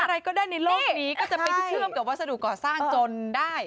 อะไรก็ได้ในโลกนี้ก็จะไปเชื่อมกับวัสดุก่อสร้างจนได้